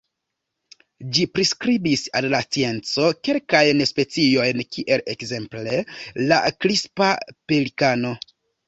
Ĝi priskribis al la scienco kelkajn speciojn kiel ekzemple la Krispa pelikano.